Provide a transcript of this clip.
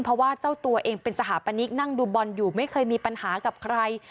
เพราะว่าเจ้าตัวเองเป็นสถาปนิกนั่งดูบอลอยู่ไม่เคยมีปัญหากับใคร